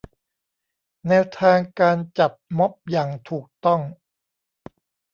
แนวทางการจัดม็อบอย่างถูกต้อง